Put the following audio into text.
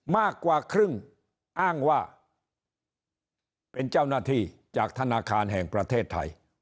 มากกว่าครึ่งอ้างว่าเป็นเจ้าหน้าที่จากธนาคารแห่งประเทศไทย